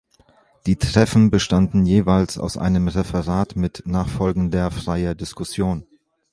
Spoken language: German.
Die Treffen bestanden jeweils aus einem Referat mit nachfolgender freier Diskussion.